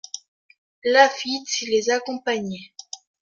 Laffitte les accompagnait.